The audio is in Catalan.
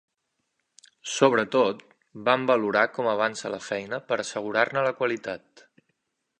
Sobretot, van valorar com avança la feina per assegurar-ne la qualitat.